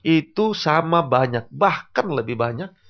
itu sama banyak bahkan lebih banyak